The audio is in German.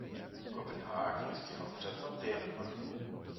Kopenhagen ist die Hauptstadt von Dänemark.